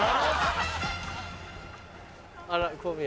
あら小宮